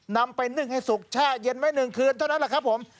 นำไปนึ่งให้สุกแช่เย็นไว้๑คืนเท่านั้นแหละครับผม